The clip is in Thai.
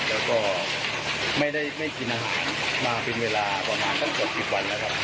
แล้วก็ไม่ได้ไม่กินอาหารมาพิมพ์เวลาประมาณสักสองสิบวันนะครับ